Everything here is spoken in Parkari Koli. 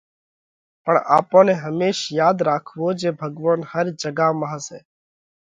پڻ آپون نئہ هميش ياڌ راکوو جي ڀڳوونَ هر جڳا مانه سئہ۔